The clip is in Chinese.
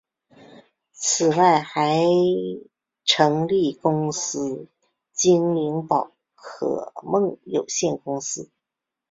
此外还成立子公司精灵宝可梦有限公司。